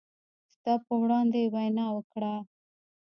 ستا په وړاندې يې وينه وکړه